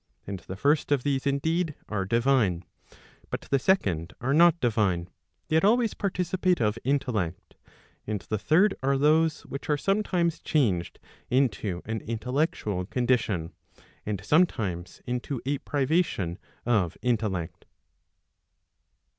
And the first of these indeed, are divine. But the second are not divine, yet always participate of intellect. And the third are those, which are sometimes changed into an intellectual condition, and sometimes into a privation of intellect.